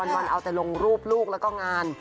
วันเอาแต่ลงรูปลูกแล้วก็งาน